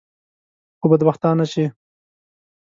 خو بدبختانه چې.